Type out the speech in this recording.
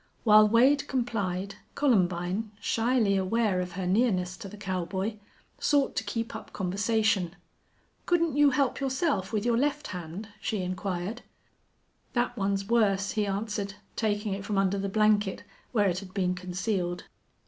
While Wade complied, Columbine, shyly aware of her nearness to the cowboy, sought to keep up conversation. "Couldn't you help yourself with your left hand?" she inquired. "That's one worse," he answered, taking it from under the blanket, where it had been concealed.